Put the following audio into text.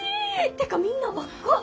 てかみんな若っ！